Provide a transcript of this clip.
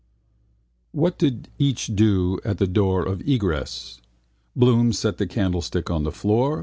What did each do at the door of egress? Bloom set the candlestick on the floor.